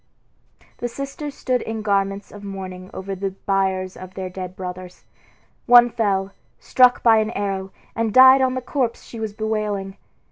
The sisters stood in garments of mourning over the biers of their dead brothers. One fell, struck by an arrow, and died on the corpse she was bewailing.